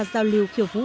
giao lưu khiêu vũ